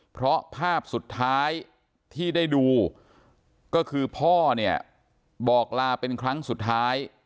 เพราะภาพสุดท้ายที่ได้ดูก็คือพ่อเนี่ยบอกลาเป็นครั้งสุดท้าย